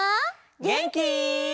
げんき？